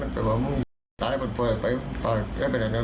มันก็เช็ดปรุงมันออกมาผมก็อุ้มหลูกหลูกมันมันปอดปรุงมันมันก็หลืมแล้วมันก็กลัวเนี่ย